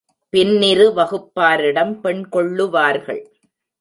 பின்னிரு வகுப்பாரிடம் பெண் கொள்ளுவார்கள்.